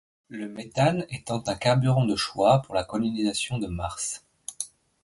Le méthane étant un carburant de choix pour la colonisation de Mars.